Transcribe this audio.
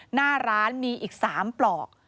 หน้าร้านมีอีก๓ปลอก